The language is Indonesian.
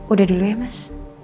udah dulu ya mas